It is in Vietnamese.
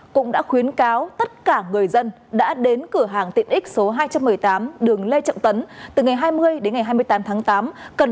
cũng đã khuyến cáo tất cả người dân đã đến cửa hàng tiện x số hai trăm một mươi tám đường lê trọng tấn